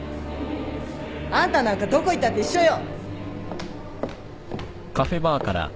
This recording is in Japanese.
あんたなんかどこ行ったって一緒よ！